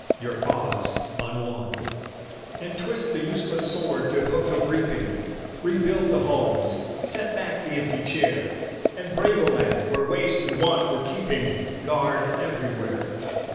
Your cause unwon, And twist the useless sword to hook of reaping, Rebuild the homes, set back the empty chair And brave a land where waste and want were keeping Guard everywhere.